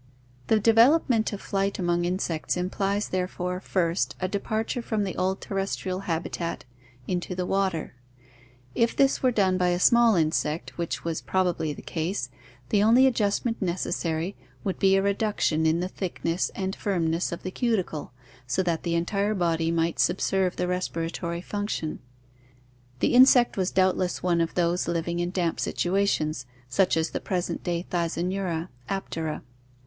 The development of flight among insects implies therefore, first, a departure from the old terrestrial habitat into the water. If this were done by a small insect, which was probably the case, the only adjustment necessary would be a reduction in the thickness and 452 ORGANIC EVOLUTION firmness of the cuticle so that the entire body might subserve the respiratory function. The insect was doubtless one of those living in damp situations, such as the present day Thysanura (Aptera).